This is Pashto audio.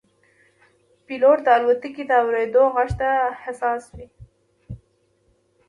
پیلوټ د الوتکې د اورېدو غږ ته حساس وي.